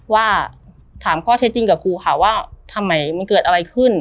ว่าถามข้อเท็จจริงกับครูค่ะว่าทำไมมันเกิดอะไรขึ้น